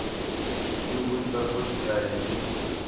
پِیؤ ٻُجھ کر خوش تِھیا ہِے